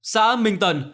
xã minh tần